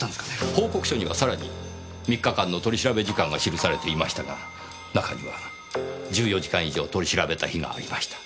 報告書にはさらに３日間の取り調べ時間が記されていましたが中には１４時間以上取り調べた日がありました。